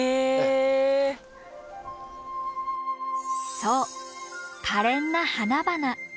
そうかれんな花々。